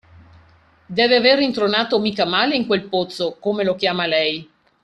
Deve aver rintronato mica male in quel pozzo, come lo chiama lei.